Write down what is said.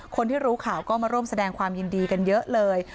คนที่รู้ข่าวก็มาร่วมแสดงความยินดีกันเยอะเลย